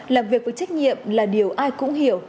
làm việc với trách nhiệm là điều ai cũng hiểu